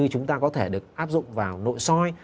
chúng ta có thể được áp dụng vào nội soi